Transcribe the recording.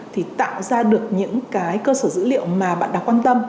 thì tạo ra được những cơ sở dữ liệu mà bạn đã quan tâm